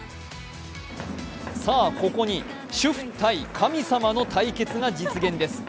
さあ、ここに主婦×神様の対決が実現です。